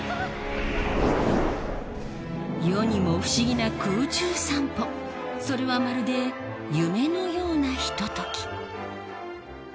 世にも不思議な空中散歩それはまるで夢のようなひと時